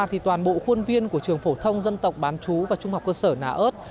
thì toàn bộ khuôn viên của trường phổ thông dân tộc bán chú và trung học cơ sở nà ơt